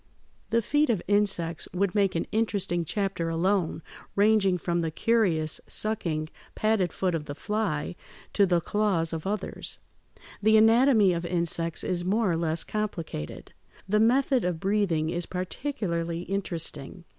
The feet of insects would make an interesting chapter alone, ranging from the curious, sucking, padded foot of the fly (Fig. 158) to the claws of others. The anatomy of insects is more or less complicated. The method of breathing is particularly interesting.